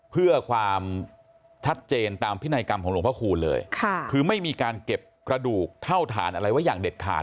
เพื่อความชัดเจนตามพินัยกรรมของหลวงพระคูณเลยค่ะคือไม่มีการเก็บกระดูกเท่าฐานอะไรไว้อย่างเด็ดขาด